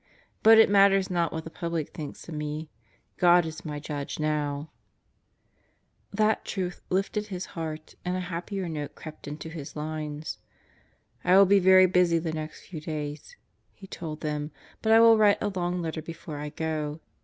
But it matters not what the public think of me. God is my Judge now," That truth lifted his heart, and a happier note crept into his lines. "I will be very busy the next few days," he told them, "but I will write a long letter before I go.